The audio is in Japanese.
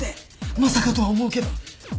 まさかとは思うけど。